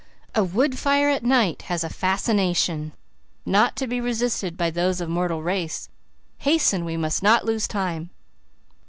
"A wood fire at night has a fascination not to be resisted by those of mortal race. Hasten we must not lose time."